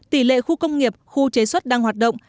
tỷ lệ khu công nghiệp khu chế xuất đang hoạt động